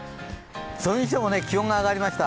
それにしても気温が上がりました。